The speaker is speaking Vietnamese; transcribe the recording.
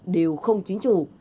đều không chính chủ